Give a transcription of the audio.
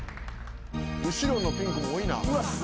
後ろのピンクも多いな。